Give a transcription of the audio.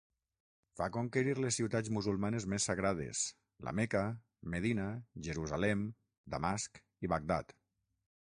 Va conquerir les ciutats musulmanes més sagrades La Meca, Medina, Jerusalem, Damasc i Bagdad.